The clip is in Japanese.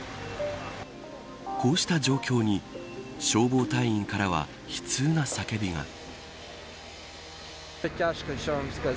こうした状況に消防隊員からは悲痛な叫びが。